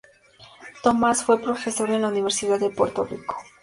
Thomas fue profesor en la Universidad de Puerto Rico.